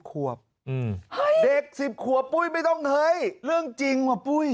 ขวบเฮ้ยเด็ก๑๐ขวบปุ้ยไม่ต้องเฮ้ยเรื่องจริงว่ะปุ้ย